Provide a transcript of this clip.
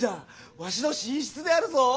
わしの寝室であるぞ。